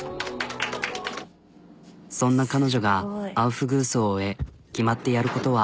そんな彼女がアウフグースを終え決まってやることは。